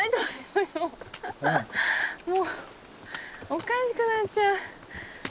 おかしくなっちゃう。